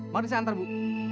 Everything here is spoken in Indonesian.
mari saya antar bu